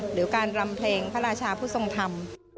หรือการรำเพลงพระราชาผู้ทรงธรรม